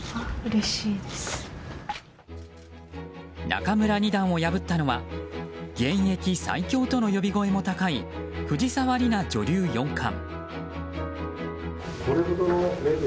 仲邑二段を破ったのは現役最強との呼び声も高い藤沢里菜女流四冠。